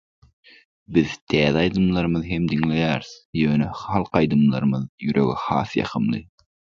biz täze aýdymlary hem diňleýäris, ýöne halk aýdymlarymyz ýürege has ýakymly.